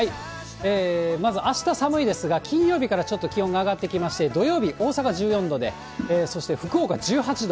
まず、あした寒いですが、金曜日からちょっと気温が上がってきまして、土曜日、大阪１４度で、そして福岡１８度。